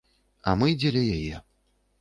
А мы дзеля яе.